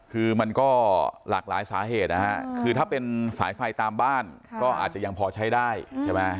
คือมันก็หลากหลายสาเหตุนะฮะคือถ้าเป็นสายไฟตามบ้านก็อาจจะยังพอใช้ได้ใช่ไหม